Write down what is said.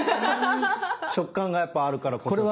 食感がやっぱあるからこそですかね。